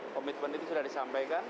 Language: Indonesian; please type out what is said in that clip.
komitmen itu sudah disampaikan